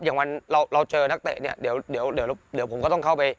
อย่างวันเราเราเจอนักเตะเนี้ยเดี๋ยวเดี๋ยวเดี๋ยวผมก็ต้องเข้าไป